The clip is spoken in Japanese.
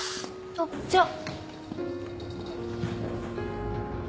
あっじゃあ。